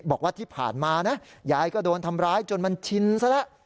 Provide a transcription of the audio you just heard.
บอกว่าที่ผ่านมานะยายก็โดนทำร้ายจนมันชินซะแล้ว